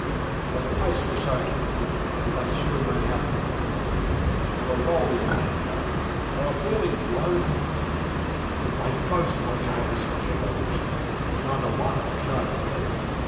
But the pace was so terrific that they soon ran out their tether They were rolling in their gallop, they were fairly blown and beat But they both were game as pebbles neither one would show the feather.